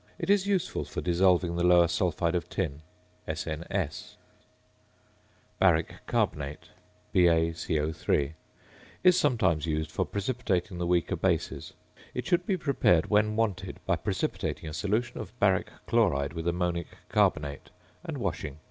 It is useful for dissolving the lower sulphide of tin (SnS). ~Baric Carbonate~ (BaCO_) is sometimes used for precipitating the weaker bases. It should be prepared when wanted by precipitating a solution of baric chloride with ammonic carbonate and washing.